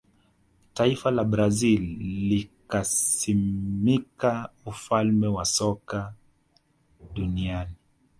taifa la brazil likasimika ufalme wa soka duniani